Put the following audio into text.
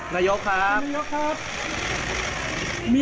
นายกครับ